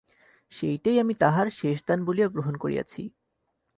সেইটেই আমি তাঁহার শেষদান বলিয়া গ্রহণ করিয়াছি।